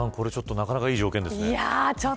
なかなかいい条件ですね。